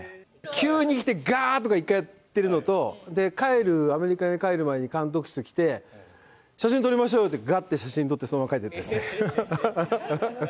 急に来てがーっとか一回やってるのと、帰る、アメリカに帰る前に監督室来て、写真撮りましょうよって、がっと写真を撮って、そのまま帰っていった感じですね。